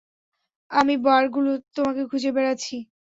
আমি বারগুলোতে তোমাকে খুঁজে বেড়াচ্ছি।